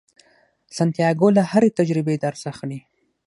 سانتیاګو له هرې تجربې درس اخلي.